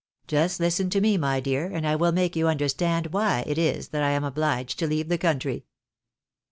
Just listen to me my dear, and I wiU make you understand why it is that I am obhged to leave the country."